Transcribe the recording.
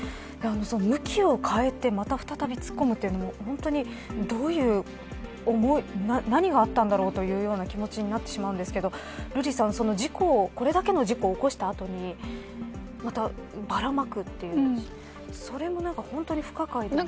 向きを変えてまた再び突っ込むというのも何があったんだろうという気持ちになってしまいますが瑠麗さん、これだけの事故を起こした後にまた、ばらまくというのはそれも不可解ですよね。